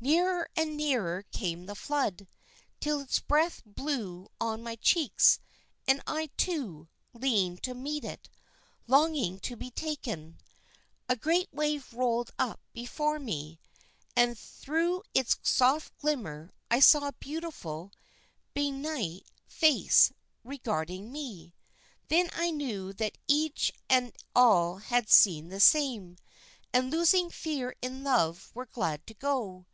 Nearer and nearer came the flood, till its breath blew on my cheeks, and I, too, leaned to meet it, longing to be taken. A great wave rolled up before me, and through its soft glimmer I saw a beautiful, benignant face regarding me. Then I knew that each and all had seen the same, and losing fear in love were glad to go.